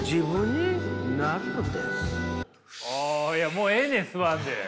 もうええねん吸わんで。